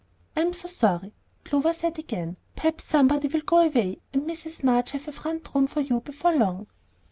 "I'm so sorry," Clover said again. "Perhaps somebody will go away, and Mrs. Marsh have a front room for you before long."